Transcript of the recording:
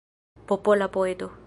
Popola poeto.